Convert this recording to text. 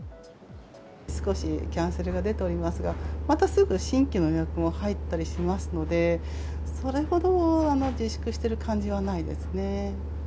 少しキャンセルが出ておりますが、またすぐ新規の予約が入ったりしますので、それほど自粛してる感じはないですね。